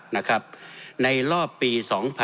ในรอบปี